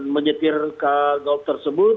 menyetir ke golf tersebut